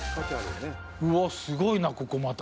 うわっ、すごいな、ここ、また。